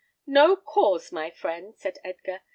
"No cause, my friend!" said Edgar.